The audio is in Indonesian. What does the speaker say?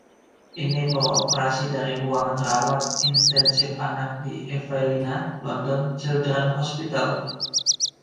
Ini beroperasi dari ruang rawat intensif anak di Evelina London Children's Hospital.